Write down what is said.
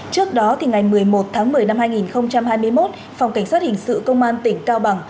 trước đó ngày một mươi một tháng một mươi năm hai nghìn hai mươi một phòng cảnh sát hình sự công an tỉnh cao bằng